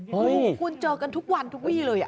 โหคุณเจอกันทุกวันทุกวี่เลยอ่ะ